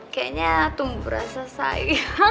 terus kayaknya tumpuh rasa sayang